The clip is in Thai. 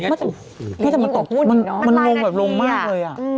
อุ๊งอุ๊งมันมหลายนาทีอ่ะแล้วมันลงมันลงมากเลยอ่ะ